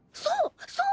そう。